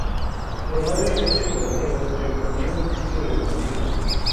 Probablemente por miedo, se escondió en un sitio desconocido.